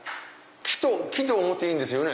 木と思っていいんですよね？